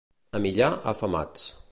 A Millà, afamats.